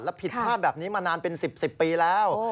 แล้วผิดภาพแบบนี้มานานเป็น๑๐ปีแล้ว